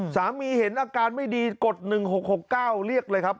สามีเห็นอาการไม่ดีกด๑๖๖๙เรียกเลยครับ